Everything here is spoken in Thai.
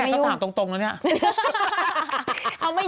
ไปถ่ายตลาดสด